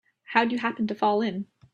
How'd you happen to fall in?